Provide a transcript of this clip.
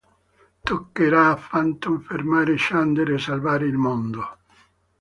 Toccherà a Phantom fermare Xander e salvare il mondo.